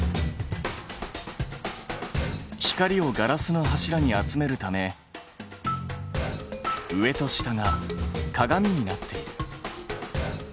光をガラスの柱に集めるため上と下が鏡になっている。